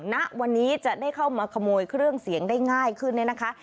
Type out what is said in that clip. ณวันนี้จะได้เข้ามาขโมยเครื่องเสียงได้ง่ายขึ้นเนี่ยนะคะ